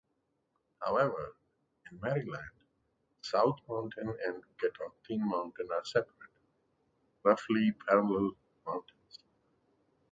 However, in Maryland, South Mountain and Catoctin Mountain are separate, roughly parallel, mountains.